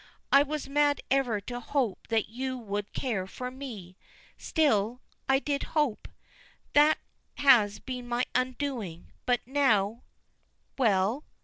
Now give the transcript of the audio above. "I was mad ever to hope that you could care for me still I did hope. That has been my undoing. But now " "Well?"